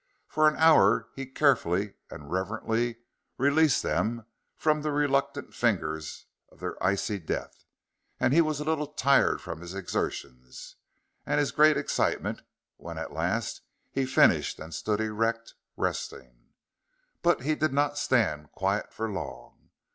For an hour he carefully and reverently released them from the reluctant fingers of their icy death, and he was a little tired from his exertions and his great excitement when at last he finished and stood erect, resting. But he did not stand quiet for long.